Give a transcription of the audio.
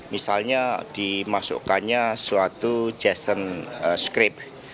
misalnya dimasukkannya suatu jason script